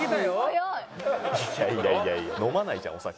いやいやいやいや飲まないじゃんお酒。